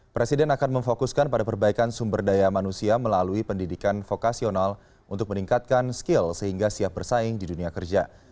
presiden akan memfokuskan pada perbaikan sumber daya manusia melalui pendidikan vokasional untuk meningkatkan skill sehingga siap bersaing di dunia kerja